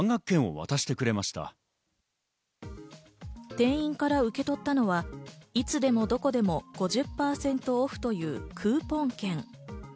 店員から受け取ったのは、いつでもどこでも５０％オフというクーポン券。